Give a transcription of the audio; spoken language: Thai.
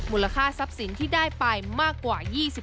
มูลค่าทรัพย์ศิลป์ที่ได้ไปมากกว่า๒๒ล้านบาท